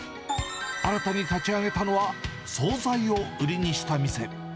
新たに立ち上げたのは、総菜を売りにした店。